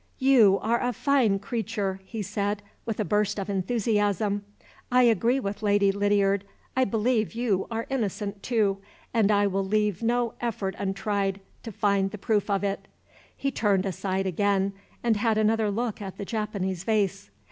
"You are a fine creature!" he said, with a burst of enthusiasm. "I agree with Lady Lydiard I believe you are innocent, too; and I will leave no effort untried to find the proof of it." He turned aside again, and had another look at the Japanese vase.